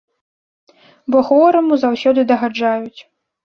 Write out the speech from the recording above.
Бо хвораму заўсёды дагаджаюць.